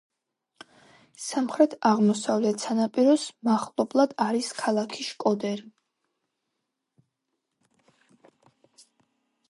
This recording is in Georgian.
სამხრეთ-აღმოსავლეთ სანაპიროს მახლობლად არის ქალაქი შკოდერი.